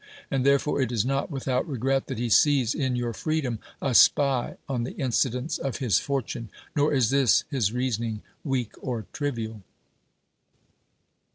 And therefore it is not without regret that he sees in your freedom a spy on the incidents of his fortune. Nor is this his reasoning weak or trivial.